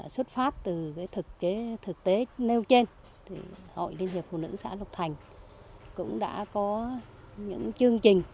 xuất phát từ thực tế thực tế nêu trên hội liên hiệp phụ nữ xã lục thành cũng đã có những chương trình